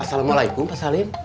assalamualaikum pak salim